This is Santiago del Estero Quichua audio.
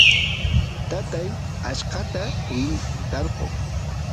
tatay achkata rin tarpuy